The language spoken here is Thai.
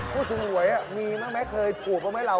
พูดถูกไว้มีมั้งมั้ยเคยถูกไว้ไหมเรา